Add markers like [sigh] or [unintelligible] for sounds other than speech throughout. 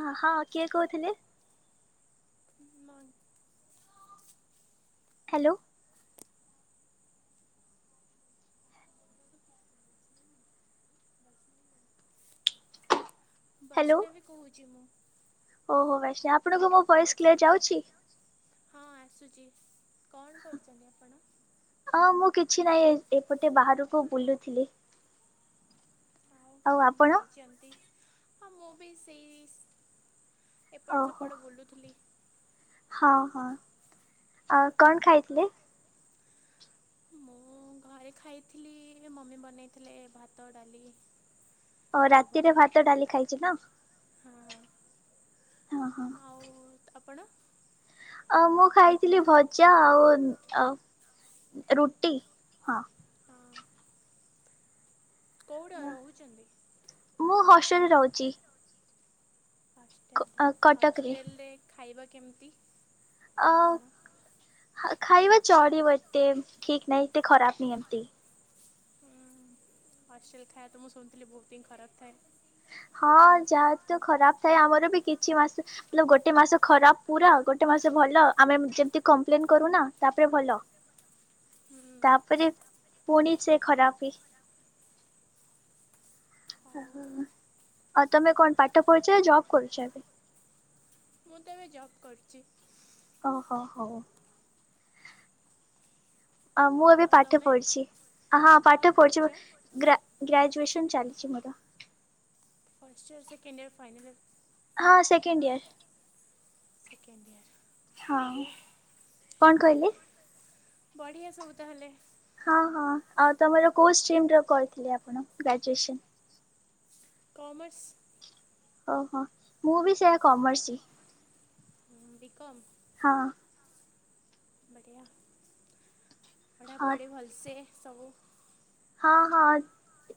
ଆ ହଁ କିଏ କହୁଥିଲେ? ମନ୍ ହାଲୋ। ବୈଷ୍ଣବୀ କହୁଚି ମୁଁ। ଓହୋ ବୈସ ଆପଣଙ୍କୁ ମୋ ଭଏସ୍ କ୍ଲିୟର୍ ଯାଉଚି? ହଁ ଆସୁଚି କଣ କରୁଚନ୍ତି ଆପଣ? ଅ ମୁଁ କିଛି ନାହିଁ ଏପଟେ ବାହାରକୁ ବୁଲୁଥିଲି। କଣ ଖାଇଚନ୍ତି ହଁ ମୁଁ ବି ସେଇ ଏପଟ୍ ସେପଟ୍ ବୁଲୁଥିଲି। ହଁ ହଁ ଆଉ କଣ ଖାଇଥିଲେ? ଘରେ ଖାଇଥିଲି ମମି ବନେଇଥିଲେ ଭାତ ଡାଲି ଆ ରାତିରେ ଭାତ ଡ଼ାଲି ଖାଇଚିନା। ହୁଁ। ଓହୋ। ଆଉ ଆପଣ? ଅ ମୁଁ ଖାଇଥିଲି ଭଜା ଆଉ ଆଉ ରୁଟି ହଁ। ହଁ। କଉଟା ରହୁଚନ୍ତି? ମୁଁ ହଷ୍ଟେଲରେ ରହୁଚି। ହଷ୍ଟେଲରେ ହଷ୍ଟେଲରେ ଖାଇବା କେମିତି? ଅ ଖା-ଖାଇବା ଚଳିବ ଏତେ ଠିକ୍ ନାହିଁ ଏତେ ଖରାପ୍ ନି ଏମତି। ହୁଁ ହଷ୍ଟେଲ୍ ଖାଇବାତ ମୁଁ ଶୁଣିଥିଲି ବହୁତିହିଁ ଖରାପ୍ ଥାଏ। ହଁ ଯାହାତ ଖରାପ୍ ଥାଏ ଆମରବି କିଛି ମାସ ଗୋଟେ ମାସ ଖରାପ୍ ପୁରା ଗୋଟେ ମାସ ଭଲ ଆମେ ଯେମତି କମ୍ପ୍ଲେନ୍ କରୁନା ତାପରେ ଭଲ ତାପରେ ପୁଣିସେ ଖରାପ୍‌ବି ଆଉ ତମେ କଣ ପାଠ ପଢୁଚନା ଜବ୍ କରୁଚ ଏବେ? ତ ଏବେ ଜବ୍ କରୁଚି। ଓହୋ ହଉ। ଅ- ମୁଁ ଏବେ ପାଠ ପଢୁଚି ହଁ ପାଠ ପଢୁଚି ଗ୍ରା- ଗ୍ରାଜ୍ୟୁଏସନ୍ ଚାଲିଚି ମୋର। First year, second year, final year? ହଁ ସେକେଣ୍ଡ୍ ଇୟର୍। Second year. ହଁ କଣ କହିଲେ? ବଢ଼ିଆ ସବୁ ତାହେଲେ। ହଁ -ହଁ ଆଉ ତମର କୋଉ ଷ୍ଟ୍ରିମ୍ ରେ କରିଥିଲେ ଆପଣ ଗ୍ରାଜୁଏସନ୍? କମର୍ସ୍। ଓହୋ ମୁଁବି ସେୟା କମର୍ସ୍। ଉଁ ବି କମ୍? ହଁ। ବଢ଼ିଆ ପଢ଼ାପଢ଼ି ଭଲସେ ସବୁ ହଁ ହଁ।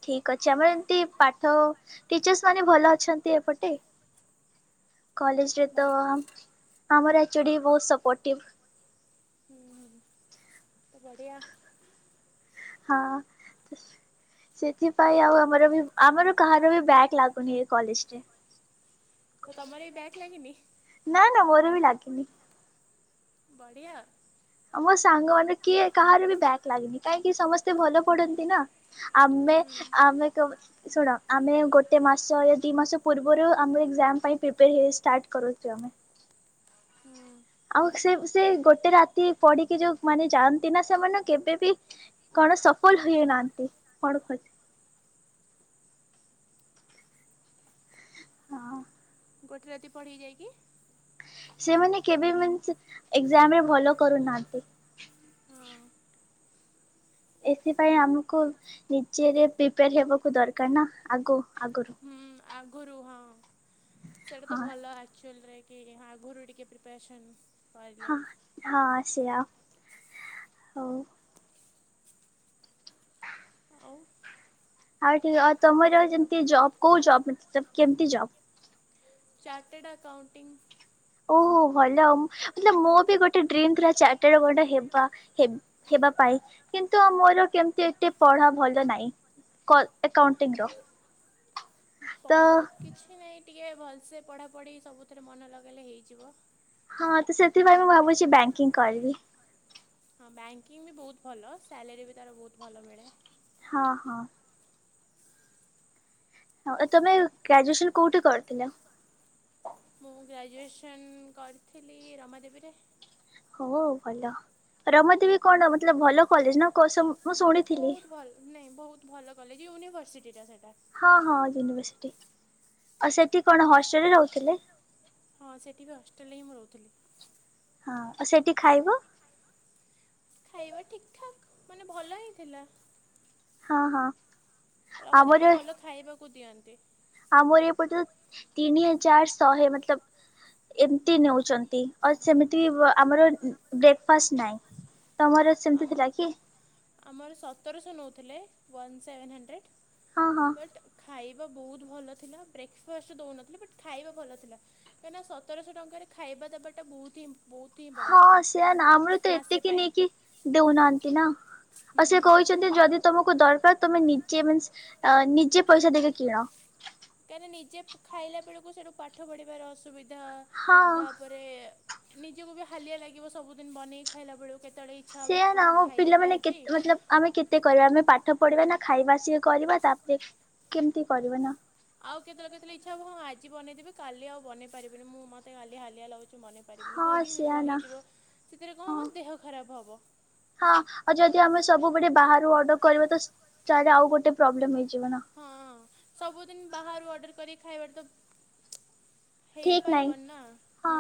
ଠିକ୍ ଅଛି ଆମର ଏମତି ପାଠ ଟିଚର୍ସ ମାନେ ଭଲ ଅଛନ୍ତି ଏପଟେ। କଲେଜରେତ ଆମର ଅଚୋଡି ବହୁତ ସପୋର୍ଟଟିପ। ତ ବଢ଼ିଆ। ହଁ ତ ସେଥିପାଇଁ ଆଉ ଆମରବି ଆମର କାହାରବି ବ୍ୟାଗ ଲାଗୁନି ଏ କଲେଜରେ। [inaudible] ତ ତମରବି ବ୍ୟାଗ୍ ଲାଗିନି? ନା ନା ମୋରବି ଲାଗିନି। ବଢ଼ିଆ ଆମ ସାଙ୍ଗ ମାନ କିଏ କାହାରବି ବ୍ୟାଗ ଲାଗିନି କାହିଁକି ସମସ୍ତେ ଭଲ ପଢନ୍ତିନା ଆମେ ଆମେ କେ ଶୁଣ ଆମେ ଗୋଟେ ମାସ ଦି ମାସ ପୂର୍ବରୁ ଆମର ଏକ୍ଜାମ ପାଇଁ ପ୍ରିପେୟାର ହେଇ ଷ୍ଟାର୍ଟ କରୁଚୁ ଆମେ। ହଁ। ଆଉ ସେ ସେ ଗୋଟେ ରାତି ପଢିକି ଯୋଉ ମାନେ ଯାଆନ୍ତିନା ସେମାନେ କେବେବିି କଣ ସଫଲ ହୁଇନାହାନ୍ତି କଣ ହଁ। ଗୋଟେ ରାତି ପଢିକି ଯାଇକି? ସେମାନେ କେବେବି ମାନେ ଏକ୍ସଜାମରେ ଭଲ କରୁନାହାନ୍ତି। ଏଥିପାଇଁ ଆମକୁ ନିଜେରେ ପ୍ରିପେୟାର ହେବାକୁ ଦରକାର ନା ଆଗ ଆଗରୁ। ଉଁ, ଆଗୁରୁ ହଁ ସେଟା ତ ଭଲ ଆକ୍ଚୁଲ ରେ। କି ହଁ ଆଘୁରୁ ଟିକେ ପ୍ରିପାରେସନ୍। ହଁ, ହଁ ସେୟା ହଉ। ଆଉ ଠିକ ଓ ତୋମର ଯେମିତି ଜବ୍ କୋଉ ଜବ୍ ମତଲବ କେମିତି ଜବ୍? Chartered accounting. ଓହୋ, ଭଲ ମ୍ ମତଲବ ମୁଁ ବି ଗୋଟେ ଡ୍ରିମ୍ ଥିଲା ଚଟେର୍ଡ ଆକାଉଣ୍ଟ ଟା ହେବା, ହେ ହେବା ପାଇଁ କିନ୍ତୁ ମୋର କେମିତି ଏତେ ପଢା ଭଲ ନାହିଁ। କଲ୍ ଏକାଉଣ୍ଟିଂ ର। ହୁଁ, ପଢ଼ା କିଛି ନାହିଁ ଟିକେ ଭଲସେ ପଢ଼ାପଢ଼ି ସବୁଥିରେ ମନ ଲଗେଇଲେ ହେଇଯିବ। ହଁ ତ ସେଥିପାଇଁ ମୁଁ ଭାବୁଛି ବ୍ୟାଙ୍କିଙ୍ଗ କରିବି। ହଁ ବ୍ୟାଙ୍କିଙ୍ଗ ବି ବହୁତ ଭଲ ସାଲେରୀ ବି ତାର ବହୁତ ଭଲ ମିଳେ। ହଁ, ହଁ। ହଁ ଏ ତୋମେ ଗ୍ରାଜୁଏସନ୍ କୋଉଠି କରିଥିଲ? ମୁଁ ଗ୍ରାଜୁଏସନ୍ କରିଥିଲି ରମାଦେବୀରେ। ହଉ ଭଲ ରମାଦେବୀ କଣ ମତଲବ ଭଲ କଲେଜ୍ ନା କ-ସବୁ ମୁଁ ଶୁଣିଥିଲି? ବହୁତ ଭଲ ନାଇଁ ବହୁତ ଭଲ କଲେଜ୍, ୟୁନିଭର୍ସିଟି ଟା ସେଟା। ହଁ, ହଁ ୟୁନିଭର୍ସିଟି। ଓ ସେଠି କଣ ହଷ୍ଟେଲ୍ ରେ ରହୁଥିଲେ? ହଁ ସେଠି ବି ହଷ୍ଟେଲ୍ ରେ ହିଁ ମୁଁ ରହୁଥିଲି। ହଁ, ଆଉ ସେଠି ଖାଇବ। ଖାଇବା ଠିକ୍ ଠାକ୍ ମାନେ ଭଲ ହିଁ ଥିଲା। ହଁ, ହଁ। ରମାଦେବୀରେ ଭଲ ଖାଇବାକୁ ଦିଅନ୍ତି। ଆମର ଏପଟର ତିନି ହଜାର ଶହେ ମତଲବ ଏମତି ନଉଚନ୍ତି ଅ, ସେମିତି ବ-ଆମର ଉଁ, ବ୍ରେକଫାଷ୍ଟ ନାଇ। ତୋମର ଆମ ଆମର ସତରଶହ ନଉଥିଲେ ୱାନ୍ ସେଭେନ୍ ହଣ୍ଡ୍ରେଡ଼। ବଟ୍ ଖାଇବା ବହୁତ ଭଲ ଥିଲା, ବ୍ରେକଫାଷ୍ଟ ଦଉନଥିଲେ। ବଟ୍ ଖାଇବା ଭଲ ଥିଲା। କାହିଁକିନା ସତରଶହ ଟଙ୍କାରେ ଖାଇବା ଦେବାଟା ବହୁତ ହିଁ ହଁ ସେଇଆ ନା, ଆମର ତ ଏତିକି ନେଇକି ଦଉନାହାନ୍ତି ନା। ଆଉ ସେ କହିଛନ୍ ତି ଯଦି ତୋମକୁ ଦରକାର, ତୋମେ ନିଜେ ମିନ୍ସ ଅ, ନିଜେ ପଇସା ଦେଇକି କିଣ। କାହିଁକିନା ନିଜେ ଖାଇଲା ବେଳକୁ ସେଠୁ ପାଠ ପଢିବାର ଅସୁବିଧା। ତାପର ରେ ନିଜକୁ ବି ହାଲିଆ ଲାଗିବ ସବୁଦିନ ବନେଇ ଖାଇଲା ବେଳକୁ। କେତେବେଳେ ଇ ସେଇଆ ନା ଆଉ ପିଲାମାନେ କେତ ମତଲବ ଆମେ କେତେ କରିବା, ଆମେ ପାଠ ପଢିବା ନା ଖାଇବା ଆସି କରିବା, ତାପରେ କେମତି କରିବା ନା। ଆଉ କେତେବେଳେ କେତେବେଳେ ଇଚ୍ଛା ହବ ହଁ ଆଜି ବନେଇଦବି, କାଲି ଆଉ ବନେଇ ପାରିବିନି, ମୁଁ ମୋତେ ହାଲି ହାଲିଆ ଲାଗୁଛୁ। ବନେ ପାରିବିନି କହିକି ରହିଯିବ, ସେଥିରେ କଣ ହବ ଦେହ ଖରାପ ହବ। ହଁ ଆଉ ଯଦି ଆମେ ସବୁବେଳେ ବାହାରୁ ଅର୍ଡର କରିବା ତ, ଚାଲେ ଆଉ ଗୋଟେ ପ୍ରୋବ୍ଲେମ୍ ହେଇଯିବ ନା। ହଁ, ସବୁଦିନ ବାହାରୁ ଅର୍ଡ଼ର କରିକି ଖାଇବା ତ ଠିକ୍ ନାହିଁ ହଁ,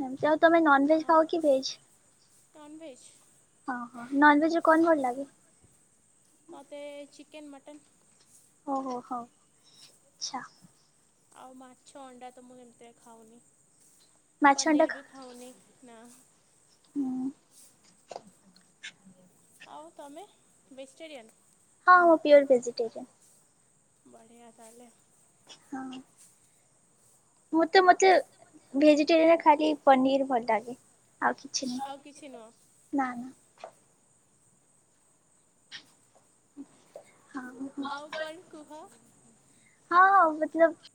ସେମତି ଆଉ ତୋମେ ନନଭେଜ୍ ଖାଅ କି ଭେଜ୍? ନନଭେଜ୍। ଓ ହୋ, ନନଭେଜ୍ ରେ କଣ ଭଲ ଲାଗେ? ମୋତେ ଚିକେନ୍, ମଟନ୍। ଓହୋ, ହଉ। ଆଉ ମାଛ, ଅଣ୍ଡା ତ ମୁଁ ଏମିତିରେ ଖାଉନି, ପନିର୍ ବି ଖାଉନି। ନା। ହୁଁ। ଆଉ ତୋମେ, ଭେଜିଟେରିଆନ୍? ହଁ ମୁଁ ପିଓର୍ ଭେଜିଟେରିଆନ୍। ବଢ଼ିଆ ତାହେଲେ। ହଁ। ମୁଁ ତ ମତେ ଭେଜିଟେରିଆନ୍ ରେ ଖାଲି ପନିର୍ ଭଲ ଲାଗେ। ଆଉ କିଛି ନାହିଁ, ନା-ନା। [inaudible] ହଁ ହଉ ମତଲବ୍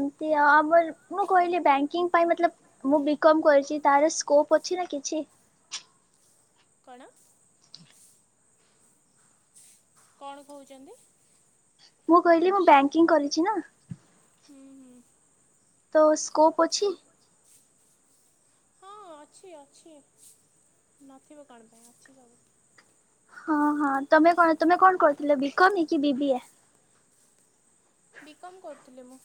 ଏମ୍ତି ଆଉ ଆମର ମୁଁ କହିଲି ବ୍ୟାଙ୍କ ଙ୍କିଙ୍ଗ ପାଇଁ ମତଲବ୍, ମୁଁ ବିକମ୍ କରିଚି ତାର ସ୍କୋପ୍ ଅଛି ନା କିଛି? କଣ? କଣ କହୁଛନ୍ତି? ମୁଁ କହିଲି, ମୁଁ ବ୍ୟାଙ୍କିଙ୍ଗ କରିଛି ନା। ହୁଁ-ହୁଁ। ତ ସ୍କୋପ୍ ଅଛି? ଅଛି-ଅଛି, ନଥିବ କଣ ପାଇଁ ଅଛି ସବୁ। ହଁ-ହଁ ତମେ କଣ ତମେ କଣ କରୁଥିଲ, ବିକମ୍ କି ବିବିଏ? ବିକମ୍ କରୁଥିଲି ମୁଁ।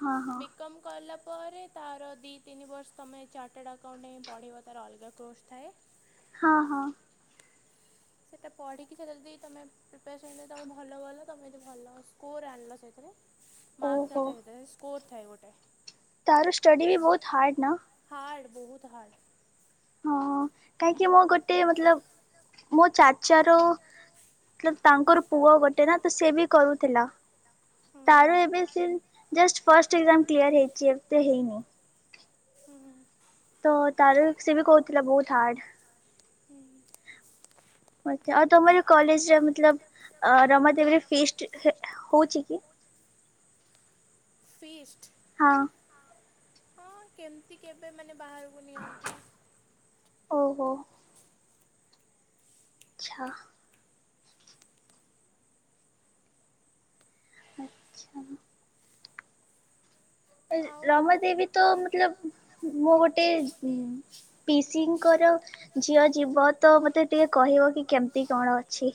ହଁ-ହଁ। ବିକମ୍ କଲା ପରେ ତାର ଦି ତିନି ବର୍ଷ ତୁମେ ଚାର୍ଟଡ଼ ଆକାଉଟିଙ୍ଗି ପଢ଼ିବ, ତାର ଅଲଗା କ୍ରୋର୍ସ୍ ଥାଏ। ହଁ-ହଁ। ସେଟା ପଢିକି ସେଥେରେ ଯଦି ତମେ ପ୍ରିପାରେସନ୍ ଯଦି ତମେ ଭଲ କଲ, ତମେ ଯଦି ଭଲ ସ୍କୋର୍ ଆଣିଲ ସେଇଥେରେ ମାର୍କ ନଥାଏ ସେଥେରେ, ସ୍କୋର ଥାଏ ଗୋଟାଏ। ତାର ସ୍ଟଡି ବି ବହୁତ୍ ହାର୍ଡ ନା? ହାର୍ଡ଼ ବହୁତ୍ ହାର୍ଡ଼। ହଁ କାହିଁକି ମୁଁ ଗୋଟେ ମତଲବ୍ ମୋ ଚାଚା ର ମତଲବ୍ ତାଙ୍କର ପୁଅ ଗୋଟେ ନା ତ ସେ ବି କରୁଥିଲା। ତାର ଏବେ CA just first exam clear ହେଇଚି, ଏତେ ହେଇନି। ହୁଁ-ହୁଁ। ତ ତାର ସିଏ ବି କହୁଥିଲା ବହୁତ୍ ହାର୍ଡ। ଆଚ୍ଛା, ଆଉ ତମର କଲେଜ୍ ର ମତଲବ୍ ଅ ରମାଦେବୀ ରେ ଫିଷ୍ଟ ହଉଛି କି? ଫିଷ୍ଟ? ହଁ। ସେ କେବେ ମାନେ ବାହାରକୁ ନିଅନ୍ତି। ଓହୋ। ଆଚ୍ଛା। ଆଚ୍ଛା ରମାଦେବୀ ତ ମତଲବ୍ ମୁଁ ଗୋଟେ ପିଇସିଙ୍କର ଝିଅ ଯିବ ତ, ମତେ ଟିକେ କହିବ କି କେମ୍ତି କଣ ଅଛି।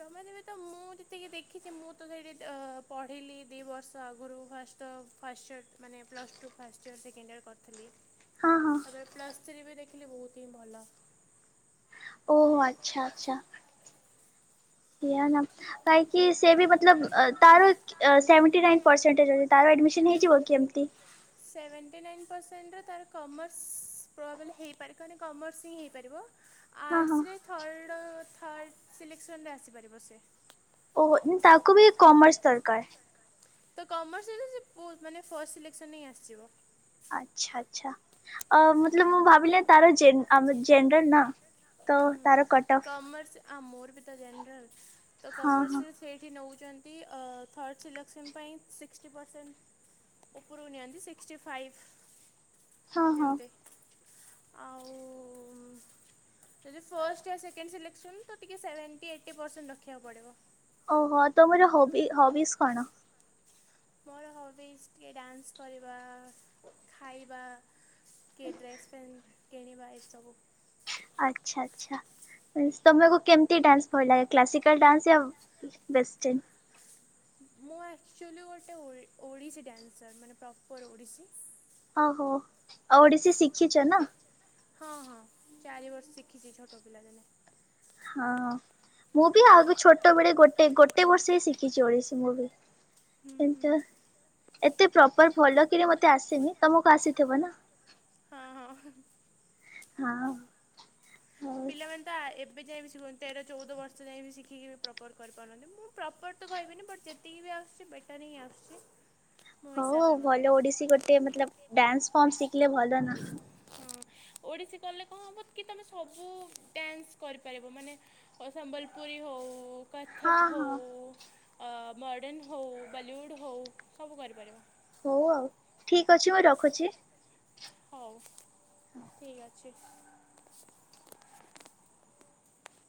ରମାଦେବୀ ତ ମୁଁ ମୁଁ ଯେତିକି ଦେଖିଚି ମୁଁ ତ ସେଇଟି ପଢ଼ିଲି ଦି ବର୍ଷ ଆଗରୁ ଫାଷ୍ଟ [unintelligible] ମାନେ plus two first year, second year କରିଥିଲି। ତାପରେ ପ୍ଲସ ଥ୍ରୀ ବି ଦେଖିଲି ବହୁତ୍ ହିଁ ଭଲ। ଓହୋ ଆଚ୍ଛା-ଆଚ୍ଛା। [unintelligible] କାହିଁକି ସେ ବି ମତଲବ୍ ତାର ସେଭେଣ୍ଟି ନାଇନ୍ ପରସେଣ୍ଟେଜ୍ ଅଛି, ତାର ଆଡ଼ମିସନ୍ ହେଇଯିବ କି ଏମ୍ତି? ସେଭେଣ୍ଟି ନାଇନ୍ ପରସେଣ୍ଟରେ ତାର କମର୍ସ ପ୍ରୋବାବିଲି ହେଇପାରେ, କାହିଁକି ନା କମର୍ସ ହିଁ ହେଇପାରିବ। ଆର୍ଟ୍ସ ରେ ଥର୍ଡ଼ ଥାର୍ଡ଼ ସିଲେକ୍ସନ୍ ରେ ଆସିପାରିବ ସେ। ଓହୋ ତାକୁ ବି କମର୍ସ ଦରକାର୍। ତ କମର୍ସ ଯଦି ସେ ମାନେ ଫର୍ଷ୍ଟ ସିଲେକ୍ସନ୍ ହିଁ ଆସିଯିବ। ଆଚ୍ଛା-ଆଚ୍ଛା। ଅ ମତଲବ୍ ମୁଁ ଭାବିଲି ତାର ଆମ ଜେନେରାଲ ନା, ତ ତାର କ କମର୍ସ ଆ ମୋର ବି ତ ଜେନରଲ୍, ତ କମର୍ସ ରେ ଏଇଠି ନେଉଚନ୍ତି ଅ ଥାର୍ଡ଼ ସିଲେକ୍ସନ୍ ପାଇଁ ସିକ୍ସଟି ପରସେଣ୍ଟ। ଉପରକୁ ନିଅନ୍ତି ସିକ୍ସଟି ଫାଇଭ୍ ଏମତି ଆଉ ଯଦି ଫାଷ୍ଟ ଷ୍ଟ ସେକେଣ୍ଡ ସିଲେକ୍ସନ ତ ସେଭେଣ୍ଟି ଏଇଟି ପରସେଣ୍ଟ ରଖିବାକୁ ପଡ଼ିବ। ଓହୋ ତ ତୁମର ହବି ହବିଜ କଣ? ମୋର ହବିଶ୍ ଟିକେ ଡ୍ୟାନ୍ସ କରିବା ଖାଇବା ଟିକେ ଡ୍ରେସ ପେନ କିଣିବା ଏସବୁ। ଆଚ୍ଛା ଆଚ୍ଛା ତମକୁ କେମିତି ଡ୍ୟାନ୍ସ ଭଲ ଲାଗେ କ୍ଲାସିକାଲ ଡାନ୍ସ ୟା ୱେଷ୍ଟନ୍? ମୁଁ ଆକ୍ଚୁଆଲି ଗୋଟେ ଓ ଓଡ଼ିଶୀ ଡ୍ୟାନ୍ସର୍ ମାନେ ପ୍ରପର୍ ଓଡ଼ିଶୀ। ଓହୋ ଆଉ ଓଡିଶୀ ଶିଖିଛ ନା। ହଁ ହଁ ଚାରି ବର୍ଷ ଶିଖିଛି ଛୋଟ ପିଲା ଦିନେ। ହଁ ମୁଁ ବି ଆଗ ଛୋଟବେଳେ ଗୋଟେ ଗୋଟେ ବର୍ଷ ହ ଶିଖିଛି ଓଡିଶୀ ମୁଁ ବି। କିନ୍ତୁ ଏତେ ପ୍ରପର ଭଲ କିରି ମତେ ଆସିନି ତମକୁ ଆସିଥିବ ନା। ହଁ। ମାନେ ତ ଏବେ ଯାଇ ବି ଶିଖ ତେର ଚଉଦ ବର୍ଷ ଯାଏ ଶିଖିକି ପ୍ରପର କରିପାରୁନାହାନ୍ତି ମୁଁ ପ୍ରପର୍ ତ କହିବିନି ବଟ୍ ଯେତିକି ବି ଆସୁଛି ବେଟର୍ ହିଁ ଆସୁଛି। ହୋଉ ଆଉ ଭଲ ଓଡିଶୀ ଗୋଟେ ମତଲବ୍ ଡ୍ୟାନ୍ସ ଫର୍ମ ଶିଖିଲେ ଭଲ ନା। ହଁ ଓଡିଶୀ କଲେ କଣ ହବ କି ତମେ ସବୁ ଡ୍ୟାନ୍ସ କରିପାରିବ। ମାନେ ସମ୍ବଲପୁରୀ ହଉ କଥକ ହଉ ଅ ମଡ଼ର୍ଣ୍ଣ ହେଉ ବଲିଉଡ଼୍ ହେଉ ସବୁ କରିପାରିବ। ହୋଉ ଆଉ ଠିକ ଅଛି ମୁଁ ରଖୁଛି। ହଉ ଠିକ୍ ଅଛି।